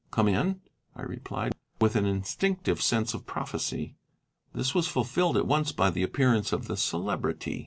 "Come in," I replied, with an instinctive sense of prophecy. This was fulfilled at once by the appearance of the Celebrity.